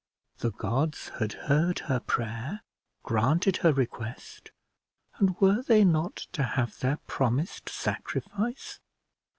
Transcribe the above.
The gods had heard her prayer, granted her request, and were they not to have their promised sacrifice?